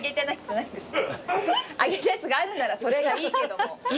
揚げたやつがあるんならそれがいいけども。